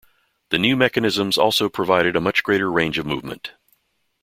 The new mechanisms also provided a much greater range of movement.